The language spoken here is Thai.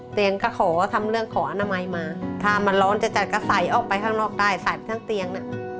เตียงก็ขอทำเรื่องขออนามัยมาถ้ามันร้อนจัดก็ใส่ออกไปข้างนอกได้ใส่ไปทั้งเตียงน่ะ